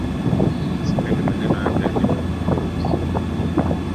Sipendi maneno yake ya kiupuzi